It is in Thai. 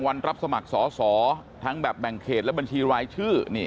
รับสมัครสอสอทั้งแบบแบ่งเขตและบัญชีรายชื่อ